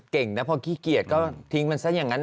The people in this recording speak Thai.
เก่งนะพอขี้เกียจก็ทิ้งมันซะอย่างนั้น